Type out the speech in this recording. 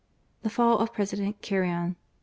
THE FALL OF PRESIDENT CARRION. 1867.